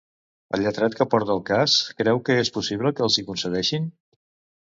El lletrat que porta el cas, creu que és possible que els hi concedeixin?